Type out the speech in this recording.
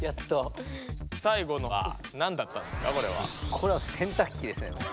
これは洗濯機です。